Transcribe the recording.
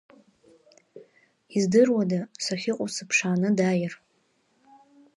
Издыруада, сахьыҟоу сыԥшааны дааир?